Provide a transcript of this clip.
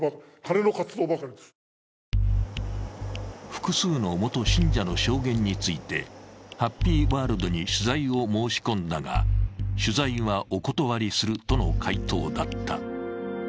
複数の元信者の証言についてハッピーワールドに取材を申し込んだが取材はお断りするとの回答だった。